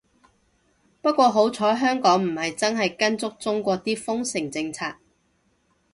不過好彩香港唔係真係跟足中國啲封城政策